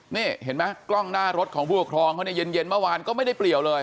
นี่เห็นไหมกล้องหน้ารถของผู้ปกครองเขาเนี่ยเย็นเมื่อวานก็ไม่ได้เปลี่ยวเลย